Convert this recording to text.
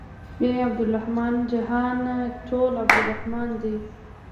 اې عبدالرحمنه جهان ټول عبدالرحمن دى.